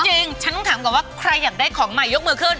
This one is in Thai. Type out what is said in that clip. ฉันต้องถามก่อนว่าใครอยากได้ของใหม่ยกมือขึ้น